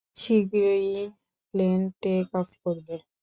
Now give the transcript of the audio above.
শীঘ্রই plane take off করবে।